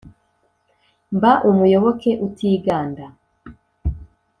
mba umuyoboke utiganda !